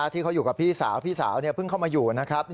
ที่เขาอยู่กับพี่สาวพี่สาวเพิ่งเข้ามาอยู่นะครับ